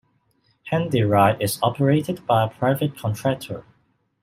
Handy Ride is operated by a private contractor.